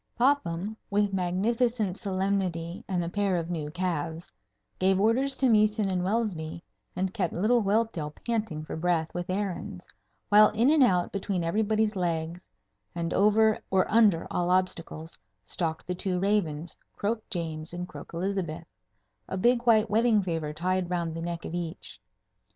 Popham, with magnificent solemnity and a pair of new calves, gave orders to Meeson and Welsby, and kept little Whelpdale panting for breath with errands; while in and out, between everybody's legs, and over or under all obstacles, stalked the two ravens Croak James and Croak Elizabeth, a big white wedding favour tied round the neck of each.